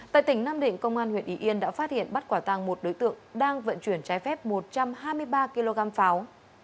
tại tỉnh nam định công an huyện y yên đã phát hiện bắt quả tàng một đối tượng đang vận chuyển trái phép một trăm hai mươi ba kg pháo